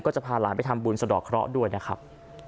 จะพาหลานไปทำบุญสะดอกเคราะห์ด้วยนะครับ